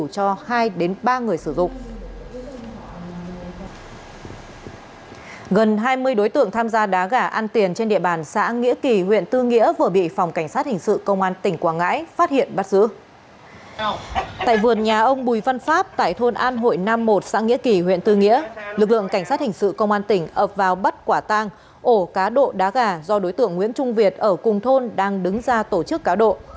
cảnh sát hình sự công an tỉnh ập vào bắt quả tang ổ cá độ đá gà do đối tượng nguyễn trung việt ở cùng thôn đang đứng ra tổ chức cá độ